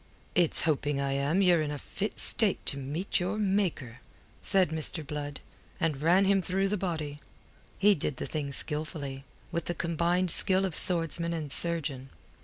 "It's hoping I am ye're in a fit state to meet your Maker," said Mr. Blood, and ran him through the body. He did the thing skilfully: with the combined skill of swordsman and surgeon.